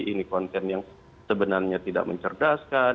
ini konten yang sebenarnya tidak mencerdaskan